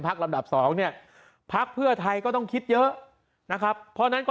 ลำดับสองเนี่ยพักเพื่อไทยก็ต้องคิดเยอะนะครับเพราะฉะนั้นก็